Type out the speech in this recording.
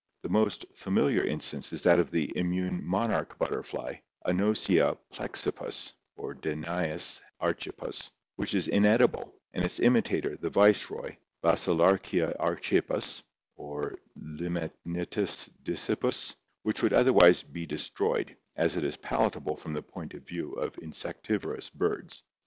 The most familiar instance is that of the immune monarch butter fly, Anosia plexippus (=Danais arckippus), which is inedible, and its imitator, the viceroy, Basilar chia archippus (*=Limenitis disip pus), which would otherwise be destroyed, as it is palatable from the point of view of insectivorous birds.